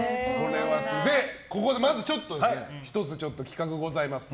ここで、まず１つ企画がございます。